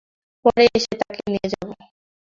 পরে এসে তোকে নিয়ে যাবো।